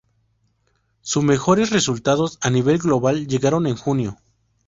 Su mejores resultados a nivel global llegaron en junio.